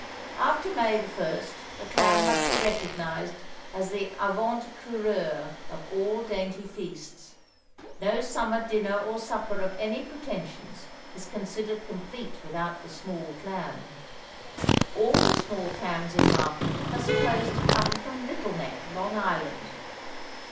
After May 1, the clam must be recognized as the avant coureur of all dainty feasts. No summer dinner or supper of any pretensions is considered complete without the small clam. All the small clams in market are supposed to come from Little Neck, Long Island.